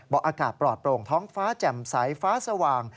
อากาศปลอดโปร่งท้องฟ้าแจ่มใสฟ้าสว่าง